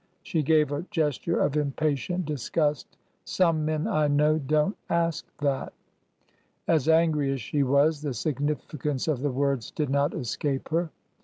She gave a gesture of impatient disgust. "" Some men I know don't ask that !" THE SACK OF KESWICK 281 As angry as she was, the significance of the words did not escape her.